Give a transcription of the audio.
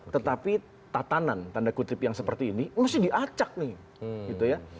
tetapi tatanan tanda kutip yang seperti ini mesti diacak nih gitu ya